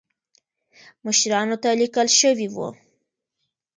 مشرانو ته لیکل شوي وو.